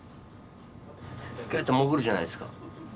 ぐっと潜るじゃないですか。